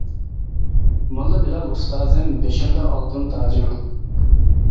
موللا بىلال ئۇستازىم، بېشىمدا ئالتۇن تاجىم.